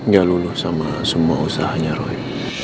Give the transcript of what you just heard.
gak luluh sama semua usahanya roy